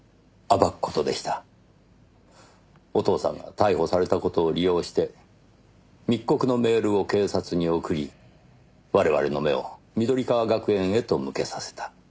お父さんが逮捕された事を利用して密告のメールを警察に送り我々の目を緑川学園へと向けさせた。